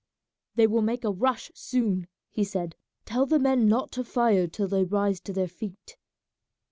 "They will make a rush soon," he said; "tell the men not to fire till they rise to their feet."